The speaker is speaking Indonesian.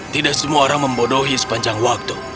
tidak semua orang membodohi sepanjang waktu